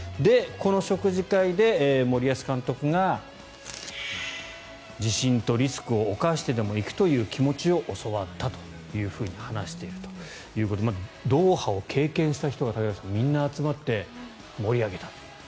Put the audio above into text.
この食事会で森保監督が自信とリスクを冒してでも行くという気持ちを教わったというふうに話しているということでドーハを経験した人がみんな集まって盛り上げたと。